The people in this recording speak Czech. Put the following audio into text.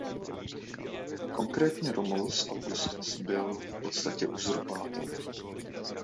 Konkrétně Romulus Augustus byl v podstatě uzurpátor.